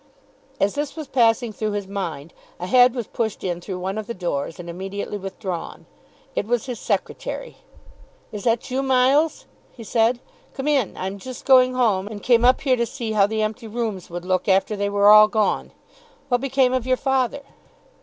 As this was passing through his mind a head was pushed in through one of the doors, and immediately withdrawn. It was his Secretary. "Is that you, Miles?" he said. "Come in. I'm just going home, and came up here to see how the empty rooms would look after they were all gone. What became of your father?"